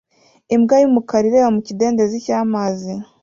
Imbwa y'umukara ireba mu kidendezi cy'amazi